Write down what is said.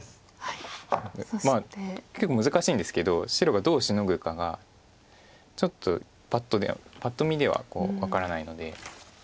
まあ結構難しいんですけど白がどうシノぐかがちょっとパッと見では分からないので。